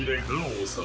王様。